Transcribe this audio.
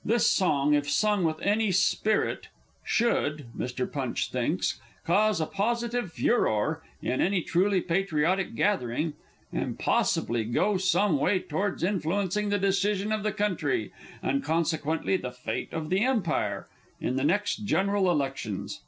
This song, if sung with any spirit, should, Mr. Punch thinks, cause a positive furore in any truly patriotic gathering, and possibly go some way towards influencing the decision of the country, and consequently the fate of the Empire, in the next General Elections.